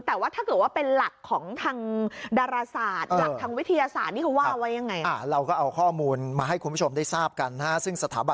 แต่ว่าถ้าเกิดเป็นหลักของทางดาราศาสตร์หลักของทางวิทยาศาสตร์